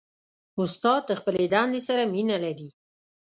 استاد د خپلې دندې سره مینه لري.